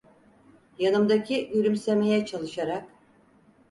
Yanımdaki gülümsemeye çalışarak: